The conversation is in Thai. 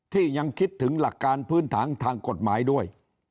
ที่ยังคิดถึงหลักการพื้นฐานทางกฎหมายด้วย